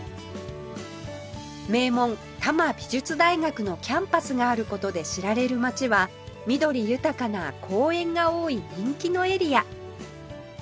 名門多摩美術大学のキャンパスがある事で知られる街は緑豊かな公園が多い人気のエリア